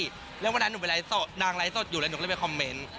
เรื่องว่านั้นหนูไปไลค์จดนางไลค์จดอยู่แล้วหนูก็เลยไปคอมเมนต์